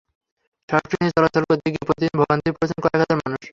সড়কটি দিয়ে চলাচল করতে গিয়ে প্রতিদিন ভোগান্তিতে পড়ছে কয়েক হাজার মানুষ।